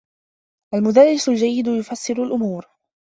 المدرّس الجيّد يفسّر الأمور.